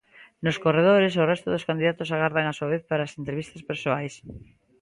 Nos corredores, o resto dos candidatos agardan a súa vez para as entrevistas persoais.